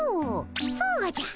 そうじゃ！